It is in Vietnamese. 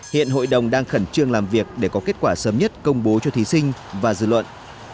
hiện hội đồng đang khẩn trương làm việc để có kết quả sớm nhất công bố cho thí sinh và dư luận